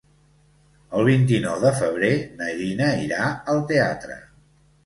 El vint-i-nou de febrer na Gina irà al teatre.